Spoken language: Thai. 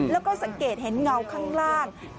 แล้วก็สังเกตเห็นเงาข้างล่าง